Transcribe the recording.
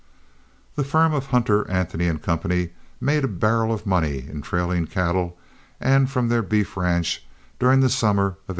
The firm of Hunter, Anthony & Co. made a barrel of money in trailing cattle and from their beef ranch during the summer of 1882.